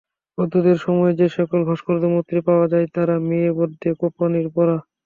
বৌদ্ধদের সময়ের যেসকল ভাস্কর্যমূর্তি পাওয়া যায়, তারা মেয়ে-মদ্দে কৌপীন-পরা।